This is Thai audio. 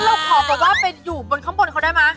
ก็เราก็ขอบอกว่าจะต้องอยู่ข้างบนเขาได้ไหม